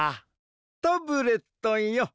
タブレットンよ